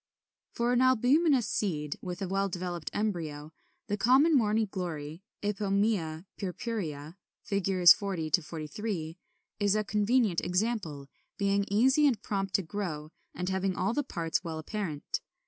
] 33. For an albuminous seed with a well developed embryo, the common Morning Glory (Ipomœa purpurea, Fig. 40 43) is a convenient example, being easy and prompt to grow, and having all the parts well apparent.